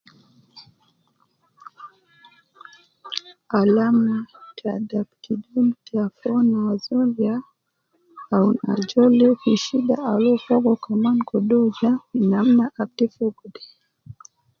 Alama ta dakt dom ta akwana ta azol ya awun ajol de fi shida al uwo fogo wu kaman kede ja namna al ta kutu de